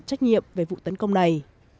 trách nhiệm về vụ tấn công này